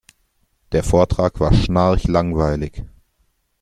Der Vortrag war schnarchlangweilig.